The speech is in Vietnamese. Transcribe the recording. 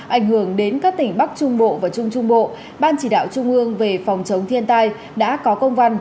ảnh hưởng đến các tỉnh bắc trung bộ và trung trung bộ ban chỉ đạo trung ương về phòng chống thiên tai đã có công văn